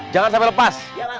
jangan sampai lepas